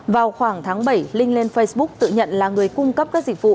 vào khoảng tháng bảy linh lên facebook tự nhận là người cung cấp các dịch vụ